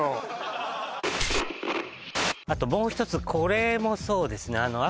あともう一つこれもそうですね